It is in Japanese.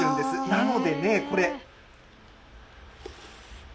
なのでね、これ。